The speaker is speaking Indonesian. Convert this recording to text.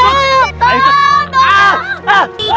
ya ampun apa apa pak